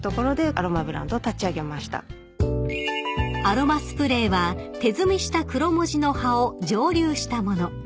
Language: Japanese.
［アロマスプレーは手摘みしたクロモジの葉を蒸留した物］